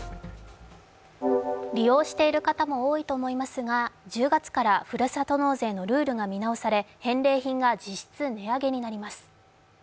利用している方も多いと思いますが１０月からふるさと納税のルールが見直され返礼品が実質値上げになります。